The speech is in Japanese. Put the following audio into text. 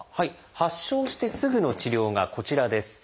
発症してすぐの治療がこちらです。